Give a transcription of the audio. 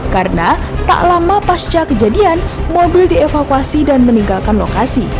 karena tak lama pasca kejadian mobil dievakuasi dan meninggalkan lokasi